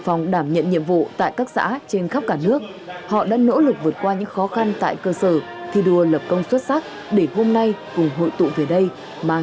trong bệnh viện y học thì đều có rất nhiều dân